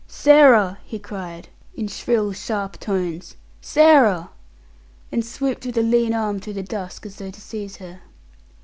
"Sarah!" he cried, in shrill sharp tones. "Sarah!" and swooped with a lean arm through the dusk, as though to seize her.